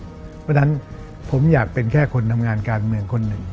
เพราะฉะนั้นผมอยากเป็นแค่คนทำงานการเมืองคนหนึ่ง